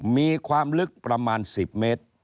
มีความลึกประมาณ๑๐เมตร